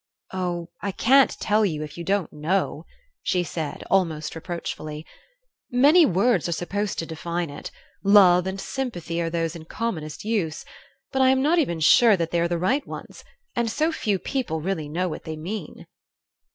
"Oh, I can't tell you, if you don't know," she said, almost reproachfully. "Many words are supposed to define it love and sympathy are those in commonest use, but I am not even sure that they are the right ones, and so few people really know what they mean."